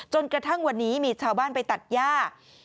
จนกระทั่งวันนี้มีชาวบ้านไปตัดย่า